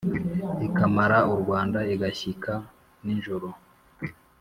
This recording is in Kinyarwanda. ikamara u rwanda igashyika ninjoro